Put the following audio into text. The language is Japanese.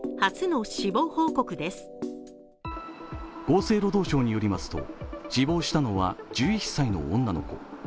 厚生労働省によりますと死亡したのは１１歳の女の子。